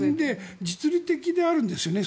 実利的であるんですよね。